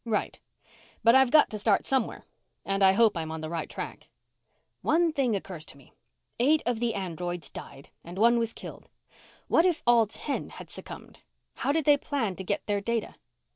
"Right. But I've got to start somewhere and hope I'm on the right track." "One thing occurs to me. Eight of the androids died and one was killed. What if all ten had succumbed? How did they plan to get their data?"